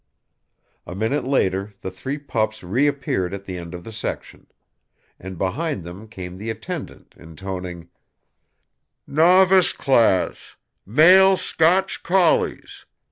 A minute later, the three pups reappeared at the end of the section. And behind them came the attendant, intoning: "Novice Class, Male Scotch Collies!